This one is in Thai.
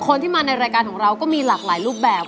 คนที่มาในรายการของเราก็มีหลากหลายรูปแบบ